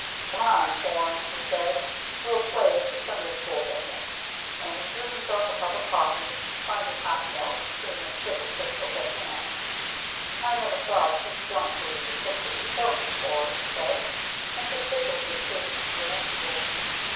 "Come on, Porne," he said, "we'll play it's a Sunday school picnic," and he drew himself a cup of coffee, finding hot milk, cream and sugar crystals at hand. "I never saw a cheap joint where you could fix it yourself, before," he said, and suspiciously tasted the mixture.